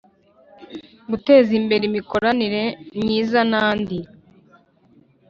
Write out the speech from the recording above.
Guteza imbere imikoranire myizan andi